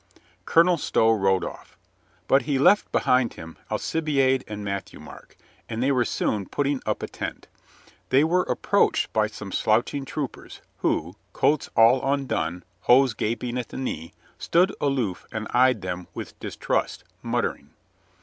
Colonel Stow rode off. But he left behind him Alcibiade and Matthieu Marc, and they were soon putting up a tent. They were approached by some slouching troopers, who, coats all undone, hose gaping at the knee, stood aloof and eyed them with distrust, muttering.